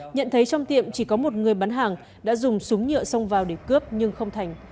nhận thấy trong tiệm chỉ có một người bán hàng đã dùng súng nhựa xông vào để cướp nhưng không thành